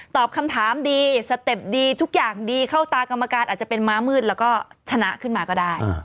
ตอบคำถามดีสเต็ปดีทุกอย่างดีเข้าตากรรมการอาจจะเป็นม้ามืดแล้วก็ชนะขึ้นมาก็ได้